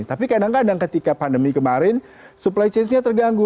tapi kadang kadang ketika pandemi kemarin supply chainnya terganggu